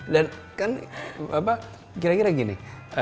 dan kan kira kira gini